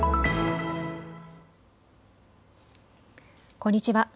こんにちは。